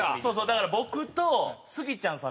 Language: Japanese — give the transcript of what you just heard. だから僕とスギちゃんさんのあの。